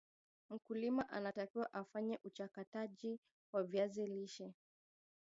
mkulima anatakiwa afanye uchakataji wa viazi lishe